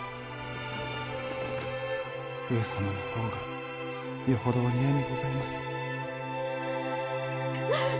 上様の方がよほどお似合いにございます。